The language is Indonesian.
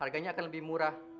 harganya akan lebih murah